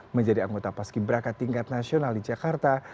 menjadi anggota paski braka tingkat nasional di jakarta